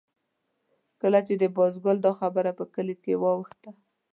کله چې د بازګل دا خبره په کلي کې واوښته.